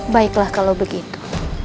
baiklah kalau begitu